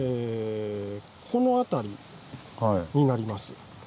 この辺りになります。